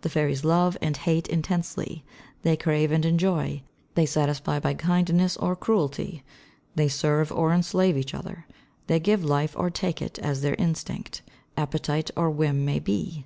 The fairies love and hate intensely; they crave and enjoy; they satisfy by kindness or cruelty; they serve or enslave each other; they give life or take it as their instinct, appetite or whim may be.